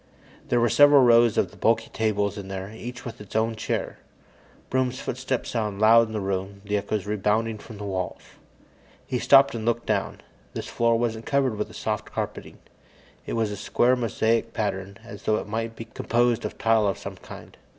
There were several rows of the bulky tables in here, each with its own chair. Broom's footsteps sounded loud in the room, the echoes rebounding from the walls. He stopped and looked down. This floor wasn't covered with the soft carpeting; it had a square, mosaic pattern, as though it might be composed of tile of some kind.